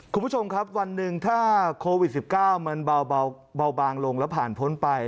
คุณผู้ชมครับวันหนึ่งถ้าโควิด๑๙มันเบาบางลงแล้วผ่านพ้นไป